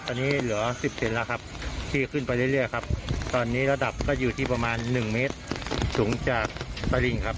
ตอนนี้เหลือสิบเซนแล้วครับที่ขึ้นไปเรื่อยครับตอนนี้ระดับก็อยู่ที่ประมาณหนึ่งเมตรสูงจากตะลิงครับ